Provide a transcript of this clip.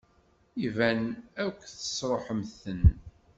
Iban akk tesṛuḥemt-ten.